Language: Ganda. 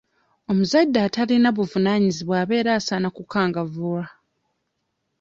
Omuzadde atalina buvunaanyizibwa abeera asaana kukangavvulwa.